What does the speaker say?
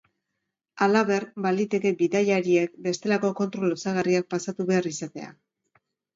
Halaber, baliteke bidaiariek bestelako kontrol osagarriak pasatu behar izatea.